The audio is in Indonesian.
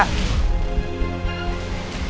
kamu janjian sama angga